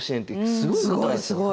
すごいすごい。